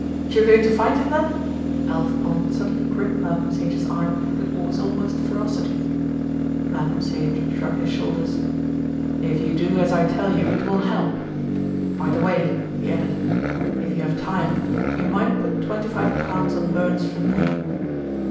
"You're going to find him then?" Alf Pond suddenly gripped Malcolm Sage's arm with what was almost ferocity. Malcolm Sage shrugged his shoulders. "If you do as I tell you, it will help. By the way," he added, "if you have time, you might put twenty five pounds on Burns for me.